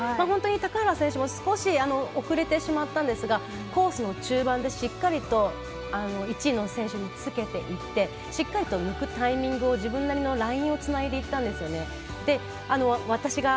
本当に高原選手も少し遅れてしまったんですがコースの中盤でしっかりと１位の選手につけてしっかり抜くタイミング自分なりのラインをつないでいったんですね。